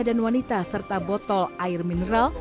dan wanita serta botol air mineral